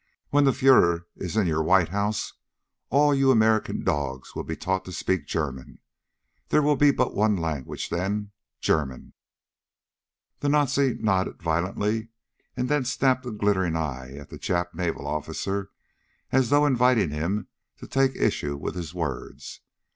"When the Fuehrer is in your White House all of you American dogs will be taught to speak German. There will be but one language then. German!" The Nazi nodded violently, and then snapped a glittering eye at the Jap naval officer as though inviting him to take issue with his words.